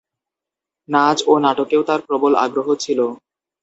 নাচ ও নাটকেও তার প্রবল আগ্রহ ছিল।